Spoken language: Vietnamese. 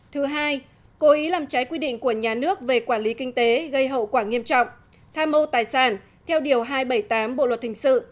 thứ hai cố ý làm trái quy định của nhà nước về quản lý kinh tế gây hậu quả nghiêm trọng tham mâu tài sản theo điều hai trăm bảy mươi tám bộ luật hình sự